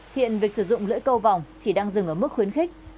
hiện việc sử dụng lưỡi câu vòng chỉ đang dừng ở mức khuyến khích